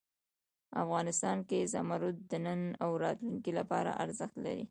افغانستان کې زمرد د نن او راتلونکي لپاره ارزښت لري.